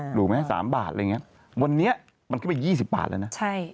ถูกไหม๓บาทอะไรอย่างนี้วันนี้มันขึ้นไป๒๐บาทแล้วนะ